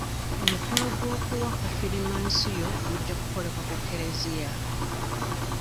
Omukolo gw'okuwa konfirimansiyo gujja kukolebwa ku kereziya.